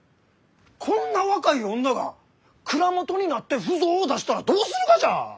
こんな若い女が蔵元になって腐造を出したらどうするがじゃ！？